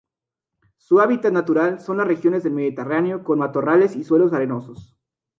Su hábitat natural son las regiones del mediterráneo con matorrales y suelos arenosos.